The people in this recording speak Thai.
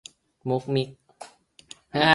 มุกมิก